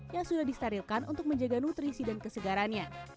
yang sudah disterilkan untuk menjaga nutrisi dan kesegarannya